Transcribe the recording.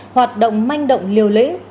hoạt động manh động liều lĩnh